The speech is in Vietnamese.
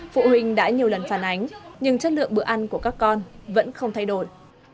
phụ huynh đã nhiều lần phản ánh nhưng chất lượng bữa ăn của các con vẫn không thay đổi